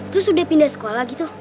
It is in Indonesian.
terus udah pindah sekolah gitu